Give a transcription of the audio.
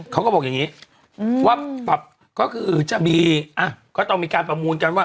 เขาก็บอกอย่างนี้ว่าปรับก็คือจะมีอ่ะก็ต้องมีการประมูลกันว่า